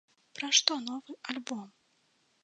Пра што новы альбом?